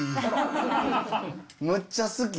むっちゃ好き。